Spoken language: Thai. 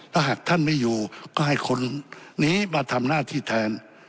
ถ้าหากท่านไม่อยู่ก็ให้คนนี้มาทำหน้าที่แทน